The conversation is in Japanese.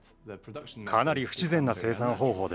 かなり不自然な生産方法です。